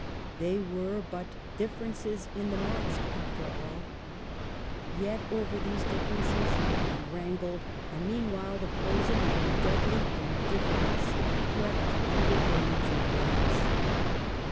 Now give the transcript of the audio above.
They were but differences in the mask after all ; yet over these differences men wrangled, and meanwhile the poison of a deadly indifference crept through the veins of France.